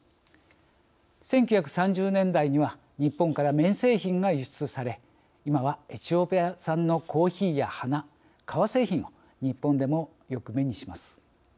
１９３０年代には日本から綿製品が輸出され今はエチオピア産のコーヒーや花革製品を日本でもよく目にします。